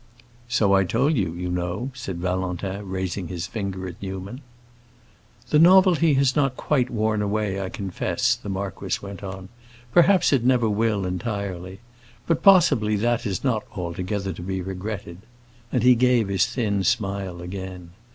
"So I told you, you know," said Valentin raising his finger at Newman. "The novelty has not quite worn away, I confess," the marquis went on; "perhaps it never will, entirely. But possibly that is not altogether to be regretted," and he gave his thin smile again.